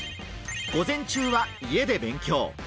午前中は家で勉強。